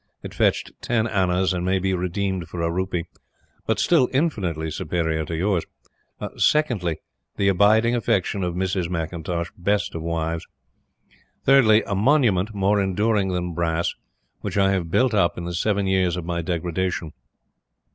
It fetched ten annas, and may be redeemed for a rupee but still infinitely superior to yours. Secondly, the abiding affection of Mrs. McIntosh, best of wives. Thirdly, a monument, more enduring than brass, which I have built up in the seven years of my degradation."